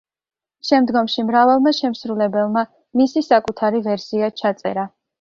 შემდგომში მრავალმა შემსრულებელმა მისი საკუთარი ვერსია ჩაწერა.